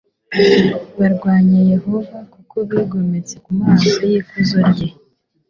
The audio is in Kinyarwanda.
barwanya yehova kuko bigometse mu maso y'ikuzo rye